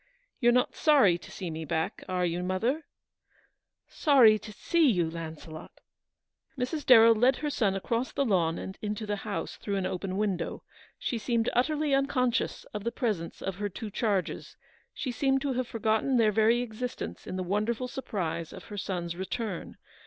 You're not sorry to see me back, are you, mother ?"" Sorry to see you, Launcelot !" Mrs. Darrell led her son across the lawn and into the house, through an open window. She seemed utterly unconscious of the presence of her two charges. She seemed to have forgotten their very existence in the wonderful surprise of her son's return.